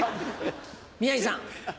宮治さん。